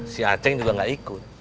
si aceh juga nggak ikut